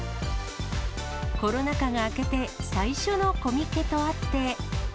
コロナ禍が明けて、最初のコミケとあって。